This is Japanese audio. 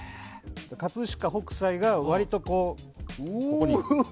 葛飾北斎が割とここに。